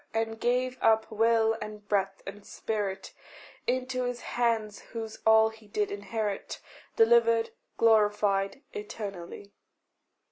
and gave up will and breath and spirit Into his hands whose all he did inherit Delivered, glorified eternally.